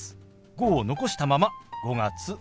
「５」を残したまま「５月９日」。